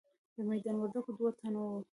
د میدان وردګو دوه تنه وو.